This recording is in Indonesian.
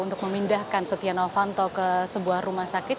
untuk memindahkan setia novanto ke sebuah rumah sakit